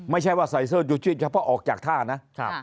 ไม่ใช่ว่าใส่เสื้อชูชีพเฉพาะออกจากท่านะ